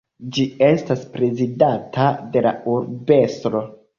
Ĝi estas prezidata de la urbestro.